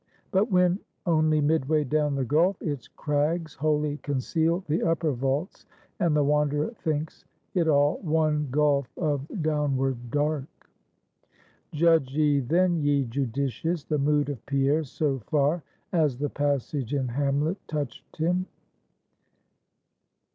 But when only midway down the gulf, its crags wholly conceal the upper vaults, and the wanderer thinks it all one gulf of downward dark. Judge ye, then, ye Judicious, the mood of Pierre, so far as the passage in Hamlet touched him.